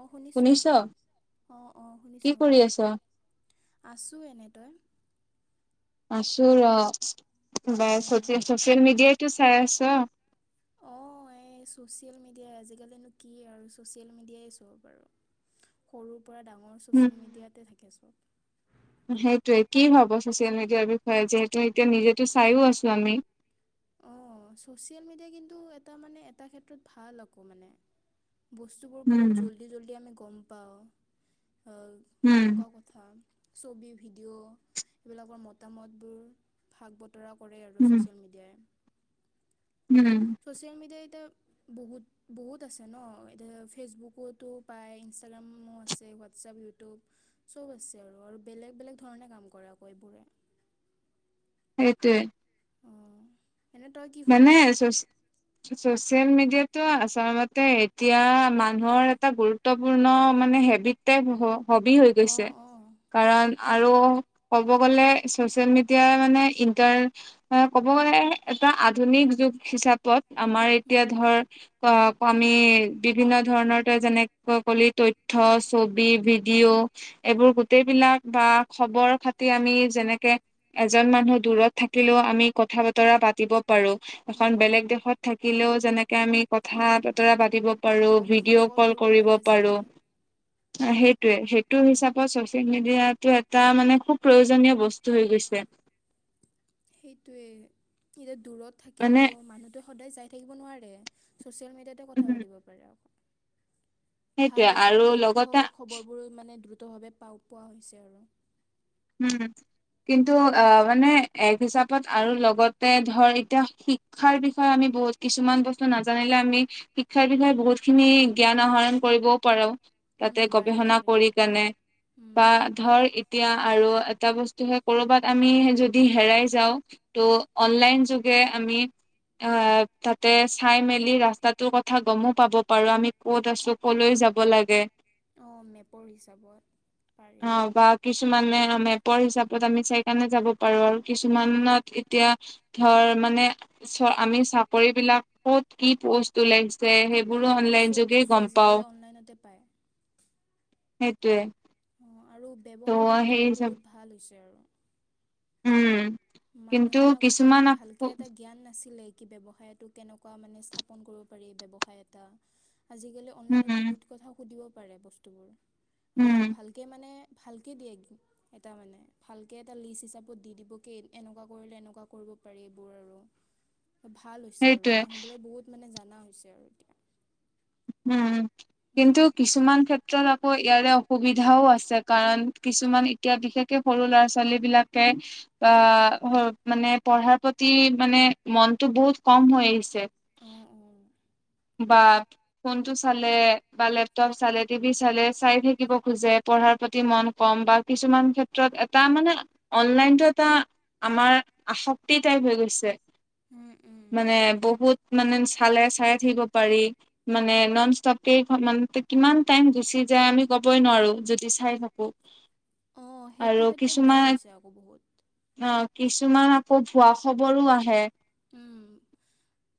অহ, শুনিছোঁ শুনিছ অহ - অহ কি শুনিছোঁ - কৰি শুনিছোঁ। আছ? আছো এনেদই। আছো ৰ' বাই অঁ চচি -চচিয়েল মিডিয়াইটো চাই আছ? [inaudible] অঁ এই চচিয়েল মিডিয়া আজিকালি নো কি আৰু চচিয়েল মিডিয়াই চব আৰু সৰু পৰা ডাঙৰ উম। ছ'চিয়েল মিডিয়াতে থাকেছোঁ। সেইটোৱে কি ভাব ছচিয়েল মিডিয়াৰ বিষয়ে যিহেতু এতিয়া নিজেতো চাইও আছো আমি? অহ, ছ'চিয়েল মিডিয়া কিন্তু এটা মানে এটা ক্ষেত্ৰত ভাল আকৌ মানে বস্তুবোৰ বহুত উম জল্দি- জল্দি আমি গম পাওঁ উম সেনেকুৱা কথা। ছবি ভিডিঅ' এইবিলাকৰ মতামতবোৰ ভাগ বত আঁতৰা কৰে আৰু উম। ছ'চিয়েল মিডিয়াই। উম চচিয়েল মিডিয়াই এতিয়া বহুত -বহুত আছে ন'এতিয়া ফেচবুকতো পায় ইনষ্টাগ্ৰামো আছে হোৱাটছআপ, ইউটিউব চব আছে আৰু বেলেগ -বেলেগ ধৰণে কাম কৰে আকৌ এইবোৰে। সেইটোৱে। উম মানে [unintelligible] ছ'চিয়েল মিডিয়াটো আচলতে এতিয়া মানুহৰ এটা গুৰুত্বপূৰ্ণ মানে হেবিট টেপ হব হবি হৈ অঁ গৈছে। অঁ কাৰণ আৰু ক'ব গলে চচিয়েল মিডিয়াই মানে ইণ্টাৰ ক মই এটা আধুনিক যুগ হিচাপত আমাৰ এতিয়া উম ধৰ [unintelligible] বিভিন্ন ধৰণৰ তই যেনেকৈ কলি তথ্য, ছবি, ভিডিঅ' এইবোৰ গোটেইবিলাক বা খবৰ -খাতি আমি যেনেকে এজন মানুহ দূৰত থাকিলেও আমি কথা বতৰা পাত পাতিব পাৰো এখন উম বেলেগ দেশত থাকিলেও যেনেকে আমি কথা- বতৰা পাতিব পাৰোঁ ভিডিঅ কল কৰিব পাৰোঁ সেইটোৱে -সেইটো অঁ হিচাপত চচিয়েল মিডিয়াটো এটা মানে খুব প্ৰয়োজনীয় বস্তু হৈ গৈছে। [inaudible] সেইটোৱে এতিয়া দূৰত মানে থাকিলেও মানুহটো সদায় যাই থাকিব নোৱাৰে ছ'চিয়েল মিডিয়াতে কথা উম পাতিব পাৰে আ সেইটোৱে ভাল হৈছে আৰু তথ্য লগতে খবৰ বোৰো মানে দ্ৰুত ভাৱে পাও পোৱা হৈছে আৰু। উম কিন্তু, অ' মানে এক হিচাপত আৰু লগতে ধৰ এতিয়া শিক্ষাৰ বিষয়ে আমি বহুত কিছুমান বস্তু নাজানিলে আমি শিক্ষাৰ বিষয়ে বহুত খিনি জ্ঞান আহৰণ কৰিবও পাৰো। তাতে উম পাৰি গৱেষণা পাৰি কৰি কেনে উম বা ধৰ এতিয়া আৰু এটা বস্তু হে কৰবাত আমি যদি হেৰাই যাওঁ ত ' অনলাইন যোগে আমি অহ, তাতে চাই মেলি ৰাস্তাটোৰ কথা গমো পাব পাৰো আমি ক'ত আছো কলৈ য যাব লাগে। অহ, মেপৰ হিচাপত পাৰি অ আৰু। বা কিছুমানে মেপৰ হিচাপত আমি চাই কেনে যাব পাৰো আৰু উম কিছুমানত এতিয়া ধৰ মানে চ আমি চাকৰি বিলাক ক'ত কি প'ষ্ট ওলাইছে যে অঁ সেইবোৰো অঁ অনলাইন চব যোগে বস্তু গম পাও আজিকালি অনলাইনতে পায় সেইটোৱে। অঁ আৰু ব্যৱসায়ৰ ক্ষেত্ৰতো বহুত ভাল হৈছে আৰু উম কিন্তু মানুহে আগতে কিছুমান মানে ভালকে এটা জ্ঞান নাছিলে কি ব্যবসায়টো কেনেকুৱা বা মানে স্থাপন কৰিব পাৰি ব্যৱসায় এটা আজিকালি অনলাইনত উম বহুত কথা সুধিব পাৰে বস্তুবোৰ আৰু উম ভালকে মানে ভালকে দিয়ে এটা মানে ভালকে এটা লিষ্ট হিচাপত দি দিব এনেকুৱা কৰিলে এনেকুৱা কৰিব পাৰি এইবোৰ আৰুৰ্কৰ্ ভাল হৈছে আৰু সেইটোয়ে মানুহবোৰে বহুত মানে জাননা হৈছে আৰু এতিয়া উম কিন্তু উম। কিছুমান ক্ষেত্ৰত আ ইয়াৰে অসুবিধাও আছে কাৰণ কিছুমান এতিয়া বিশেষকে সৰু ল'ৰা ছোৱালী বিলাকে অ মানে পঢ়াৰ প্ৰতি মানে মনতটো বহুত কম হৈ আহিছে অঁ অঁ বাৰ ফোনটো চালে বা লেপটপ চালে টিভি চালে চাই থাকিব খোজে পঢ়াৰ প্ৰতি মন কম বা কিছুমান ক্ষেত্ৰত এটা মানে অনলাইনতটো এটা আমাৰ আসক্তক্তি টাইপ হৈ গৈছে উম উম মানে বহুত মানে চালে চাই থাকিব পাৰি মানে নন ষ্টপক কিমান টাইম গুচি যায় আমি কবই নোৱাৰো যদি চাই থাকো অ আৰু সেইটো ক্ষেত্ৰত বেয়া কিছুমান হৈছে আকৌ বহুত অ কিছুমান আকৌ ভুৱা খবৰো আহে উম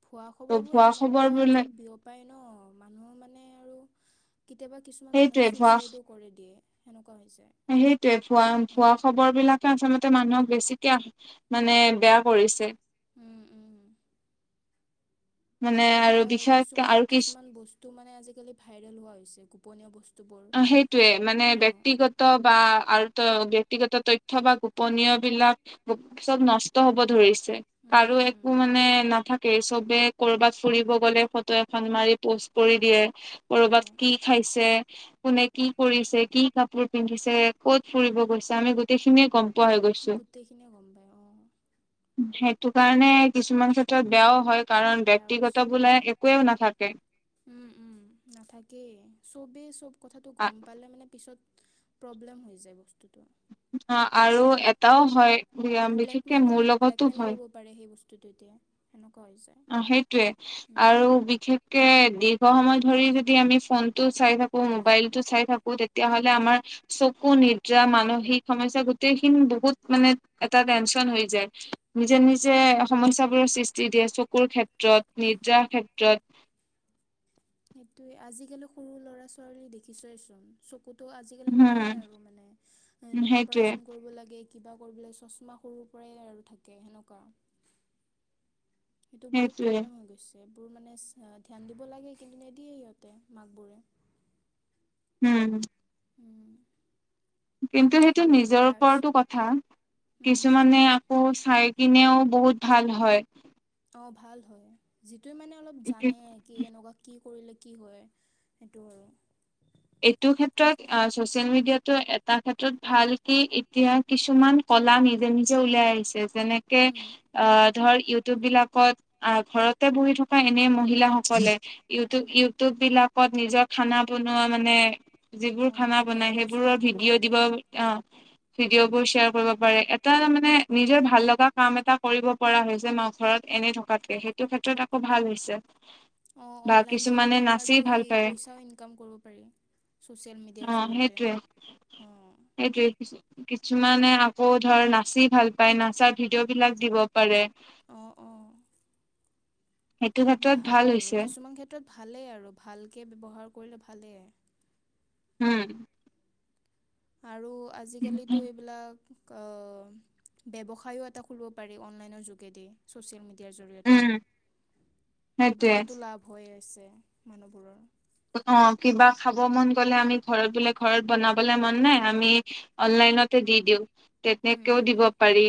ভুৱা খবৰ ত' বোৰ ভুৱা খবৰ এনেকুৱাকে বিলাক বিয়প উপায় ন মানুহ মানে আৰু কেতিয়াবা কিছুমান মানুহে সেইটোৱে চুইচাইডো কৰে দিয়ে সেনেকুৱা হৈছে। সেইটোয়ে ভুৱা ভুৱা অঁ খবৰ বিলাকে আচল্ততে মানুহৰ বেছিকে মানে বেয়া কৰিছে উম উম মানে আৰু এ বিশেষকে কিছুমানৰ আৰু কিছু কিছুমান বস্তু মানে আজিকালি ভাইৰেল হোৱা হৈছে গোপনীয় বস্তু অ সেইটয়ে মানে ব্য্ক্তিগত বা ত ব্য়ক্তিগত তথ্য বা গোপনীয় বিলাক চব নষ্ট হব ধৰিছে উম কাৰো উম একো মানে নাথাকে চবে কৰবাত ফুৰিব গ'লে ফটো এখন মাৰি পোষ্ট কৰি দিয়ে কৰবাত অঁ কি খাইছে কোনে কি কৰিছে কি কাপোৰ পিন্ধিছে ক'ত ফুৰিব গৈছে আমি গোটেই খিনিয়ে ক'ম গোটেইখিনিয়ে গম পায় অ সেইটো কাৰণে কিছুমান ক্ষেত্ৰত বেয়াও হয় কাৰণ বেয়া হৈছে ব্য়ক্তিগত বোলে একোৱে নাথাকে উম উম নাথাকেই চবেই চব কথাটো আ গম পালে মানে পিছত প্ৰব্লেম হৈ যায় বস্তুতটো অ আৰু এটাও হয়চঢ়ঢ়্যঢ় ব্লেকমেইলো ব্লেকমেইল কৰিব পাৰে সেই বস্তুতটো এতিয়া স অ সেইটোৱে আৰু বিশেষকে সময় ধৰি যদি আমি ফোনতটো চাই থাকো মোবাইলতটো চাই থাকো তেতিয়াহ'লে আমাৰ চকু নিদ্ৰা মানসিক সমস্যা গোটেইখিনি বহুত মানে এটা টেনচন হৈ যায় নিজে উম নিজে সমস্যাবোৰৰ সৃষ্টি দিয়ে চ ককুৰ ক্ষেত্ৰত নিৰ্জা ক্ষেত্ৰত সেইটোয়ে আজিকালি সৰু লৰা ছোৱালী দেখিছয়ে চোন চ তো আজিকালি নায়ে হম আৰু মানে সেইটোৱে অপাৰচন কৰিব লাগে কিবা কৰিবলৈ চশমা সৰুৰ পৰাই আৰু থাকে সেনেকুৱা সেইটো বহুত সেইটোৱে প্ৰব্লেম হৈ গৈছে সবোৰ মানে ধ্যান দিব লাগে কিন্তু নিদিয়ে সিহঁতে মাক বোৰে উম কিন্তু সেইটো বহুত নিজৰ বেয়া হৈছে ওপৰতো কথা উম, উম, কিছুমানে আকৌ চাই কিনেও বহুত ভাল হয় অ ভাল হয় যিটোে মানে অলপ জানে কি এনেকুৱা কি কৰিলে কি হয় সেইটো আৰু এইটো ক্ষেত্ৰত ছচিয়েল মিডিয়াতটো এটা ক্ষেত্ৰত ভাল কি এতিয়া কিছুমান নি উ যেনে উম, ধৰ ইউটিউব বিলাকত আ ঘৰতে বহি থকা এনে মহিলাাসকলে ইউটিব উম, ইউটিউব বিলাকত নিজৰ খানা বনোৱা মানে যিবোৰ অঁ খানা বনাই ভিডিঅ'বোৰ শ্বেয়াৰ সেইবোৰৰ কৰিব ভিডিঅ' পাৰে দিব অ ভিডিঅ' বোৰ শ্বেয়াৰ কৰিব পাৰে এটা মানে নিজৰ ভাল লগা কাম এটা কৰিব পৰা হৈছে মা ঘৰত এনেই থকাতকে সেইটো ক্ষেত্ৰত আকৌ ভাল হৈছে অ বা অনলন কিছুমানে যেৰে নাচি আমাৰ ভাল পায় পইচা ইনক কৰিব পাৰ অ সেইটোৱে অঁ সেইটোৱে কিছুমানে আকৌ ধৰ নাচি ভাল পায় নাচাৰ ভিডিঅ' বিলাক দিব পাৰে অঁ অঁ সেইটো ক্ষেত্ৰত ভাল আৰু হৈছে কিছুমান ক্ষেত্ৰত ভালেই আৰু ভালকে ব্যৱহাৰ কৰিলে ভালেই উম আৰু আজিকালিতো এইবিলাক ব্যৱসায়ো এটা কৰিব পাৰি অনলাইনৰ যোগেদি ছ'চিয়েল মড য়াৰ জৰিয়তে উম সেইটোৱে সেইবোৰতো লাভ হৈ আছে মানুহবোৰৰ অ কিবা খাব মন গলে আম ঘ ব ঘ বনাবলে মন নাই আমি দি দিওঁ উম তেনেকেও উম দিব পাৰি।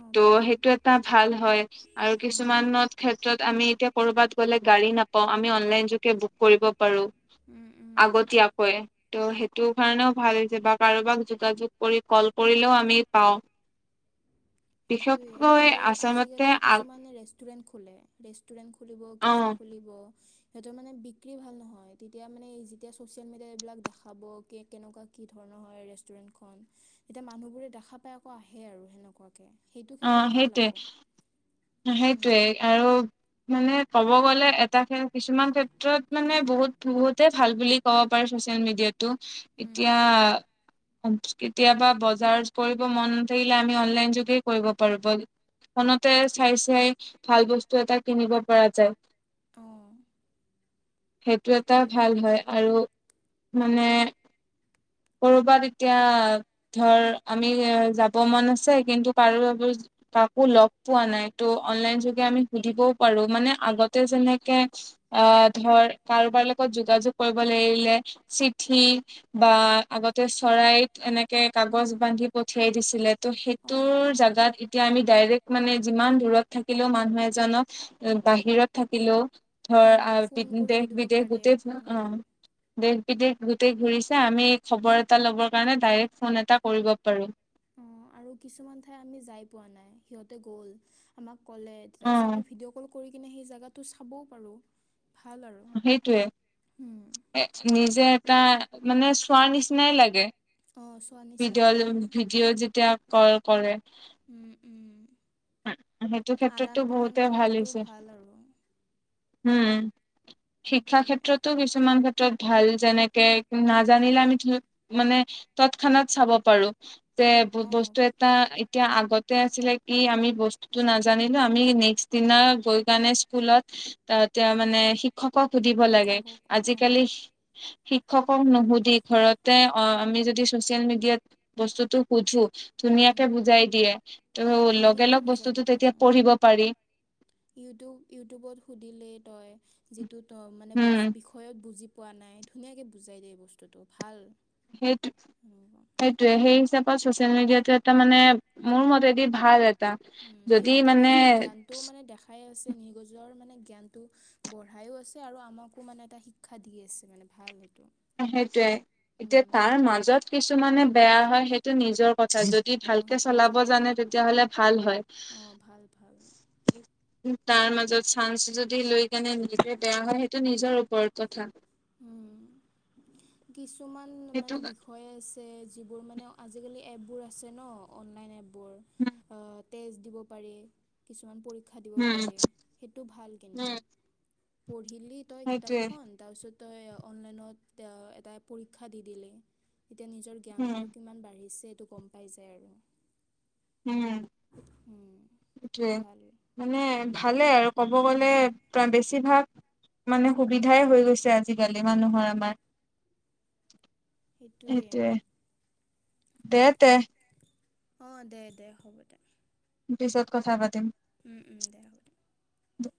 অঁ ত' পাৰি সেইটো এটা ভাল হয় আৰু অঁ কিছুমানত ক্ষেত্ৰত আমি। এতিয়া কৰবাত গ'লে গাড়ী নাপাও আমি অনলাইন যোগে বুক কৰিব পাৰো। উম উম আগতি কৈ এ। ত' সেইটো কাৰণেও ভাল যে বা কাৰোবাক যোগাযোগ কৰি কল কৰিলেও আমি পাওঁ। [unintelligible] সেই বিশেষকৈ আৰু আচলতে আজালি আ কিছু ৰেুৰে খোলে। খুলিব অ কেফে খুলিব। ড়ঢ়ড়্য সিহঁতৰ মানে বিক্ৰী ভাল নহয় তেতিয়া মানে যেতিয়া চচিয়েল মিডিয়া এইবিলাক দেখাব কে কেনেকুৱা কি ধৰণৰ। ৰেষ্টুৰেন্ট খন এতিয়া মানুহ বোৰে দেখা পাই আকৌ আহে আৰু সেনেকুৱাকে। সেইটো অ ক্ষেত্ৰত ভাল আকৌ সেইটোৱে সেইটোৱে উম, আৰু। মানে ক'ব গ'লে এটা কিছুমান ক্ষেত্ৰত মানে বহুত বহুতে ভাল বুলি ক'ব পাৰি। চেল মিডিয়টো উম, এতিয়া। কেতিয়াবা বজাৰ কৰিব মন নাথাকিলে আমি অনলাইন যোগে। কৰিব পাৰিব ফোনতে চাই চাই ভাল বস্তু এটা কিনিব পৰা যায়। ত। সেইটো এটা ভাল হয় আৰু মানে। কৰবাত এতিয়া ধৰ আমি যাব মন আছে কিন্তু। কাকো সুধিব পৰা নাই অনলাইন সুধি বও পাৰো মানে আগতে যে। তেনেকে অ ধৰ কাৰোবাৰ লগত যোগাযোগ কৰিব লাগিলে চিঠি। বা আগতে চৰাইত এনেকে কাগজ বান্ধি পঠিয়াই দিছিলে ত' অঁ সেইটোৰ। অঁ জাগাত এতিয়া আমি ডাইৰেক্ট মানে যিমান দূৰত থাকিলেও মানুহ এজনক বাহিৰত থাকিলেও। থ উম, ফোন কৰি দেশ সুধিব বিদেশ পাৰে গোটেই অ সেনেকুৱা দে। গোট ঘূৰিছে আমি খবৰ এটা লবৰ কাৰণে ডাইৰেক্ট ফোন এটা কৰিব পাৰো। অ আৰু কিছুমান ঠাই আমি যাই পোৱা নাই সিহঁতে গ'ল আমাক। লে অ তাৰ পিছত আমি ভিডিঅ' কল কৰি কিনে সেই জাটো চাবও পাৰো। সেইটোৱে নিজে। এটা মানে চোৱাৰ নিচিনাই লাগে অঁ চোৱা নিচিনাই ভিডিঅ' লাগে ভিডিঅ' যেতিয়া। ক কৰেলে। উম, উম। সেইটো আদান ক্ষেত্ৰতো প্ৰদান বহুতে ভাল কৰাটো হৈছে। আৰু উম শিক্ষা সেইটোৱে ক্ষেত্ৰতো কিছুমান ক্ষেত্ৰ। ত ভাল যেনেকে নাজানিলে আমি ধ মানে তৎক্ষণাত চাব পাৰো। অঁ বস্তু এটা। এতিয়া আগতে আছিলে কি আমি বস্তুতটো নাজানিলো আমি নেক্স দিনা গৈ গানে স্কুলত। ত তেওঁ মানে শিক্ষকক সুধিব লাগে শিক্ষকক অঁ আজিকালি। শিক্ষকক নুসুধি ঘৰতে অ আমি যদি চচিয়েল মিডিয়াত বস্তুতটো সুধো। ধুনীয়াকে বুজাই দিয়ে ত' অঁ লগে ধুনীয়াকৈ লগ বুজাই বস্তুতটো দিব তেতিয়া উম, পঢ়িব পাৰি। ইউটিউব ইউটিউবত সুধিলেই তই। যিটো ত মানে হম বিষয়ত বুজি পোৱা নাই ধুনীয়াকৈ বুজাই দিয়ে বস্তুটো ভাল। সেইটো সেইটোয়ে সেই হিচাপত চচিয়েল মিডিয়টো। তাৰ মানে মোৰ মতেদি ভাল। এটা উম যদি সিহঁতে মানে নিজৰ জ্ঞানতটোও মানে দেখাই আছে। নিগজৰ মানে জ্ঞানটো বঢ়াইও আছে আৰু আমাকো মানে এটা শিক্ষা দি আছে মানে ভাল। সেইটোৱে এতিয়া উম, তাৰ মাজত কিছুমানে বেয়া হয় সেইটো নিজৰ। যদি অঁ ভালকে সেইটো নিজৰ চলাব কথা জানে তেতিয়াাহলে ভাল হয়। অঁ ভাল ভাল উম। তাৰ মাজত চানস যদি লৈ কেনে নিজে বেয়া হয় সেইটো নিজৰ ওপৰত কথা। উম। কিছুমান সেইটো মানে বিষয়ে আছে। যিবোৰ মানে আজিকালি এপবোৰ আছে ন অনলাইন এপবোৰ উম টেষ্ট দিব পাৰি কিছুমান পৰীক্ষা দিব উম পাৰে সেইটো ভাল কিন্তু পঢ়িলি তই সেইটোৱে কিতাপখন তাৰপিছত তই অনলাইনত এটা পৰীক্ষা দি দিলে এতিয়া নিজৰ উম জ্ঞানটো কিমান বাঢ়িছে এইটো গম পাই যায় আৰু উম উম, সটোৱেই ভাল মানে ভালে আৰু ক'ব গ'লে বেছিভাগ মানে সুবিধাই হৈ গৈছে আজিকালি অঁ মানুহৰ আমাৰ সেইটোৱে সেইটোয়ে দে তেমম্প অঁ দে দে হ'ব দে পিছত কথা পাতিম উম উম দে হব দ